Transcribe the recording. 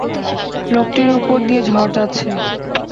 লোকটির ওপর দিয়ে ঝড় যাচ্ছে।